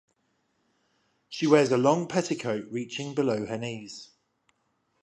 She wears a long petticoat reaching below her knees.